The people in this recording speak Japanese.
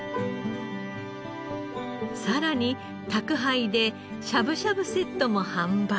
さらに宅配でしゃぶしゃぶセットも販売。